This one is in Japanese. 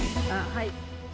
はい。